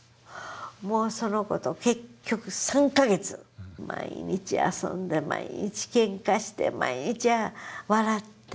もうその子と結局３か月毎日遊んで毎日ケンカして毎日笑って。